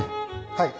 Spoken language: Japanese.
はい。